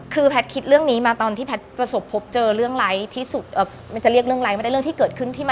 คือแพทย์คิดเรื่องนี้มาตอนที่แพทย์ประสบพบเจอเรื่องไรที่สุด